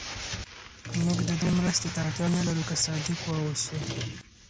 موږ د دوی مرستې ته اړتیا نه لرو که صادق واوسو.